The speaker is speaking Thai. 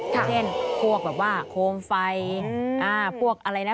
เช่นพวกแบบว่าโคมไฟพวกอะไรนะ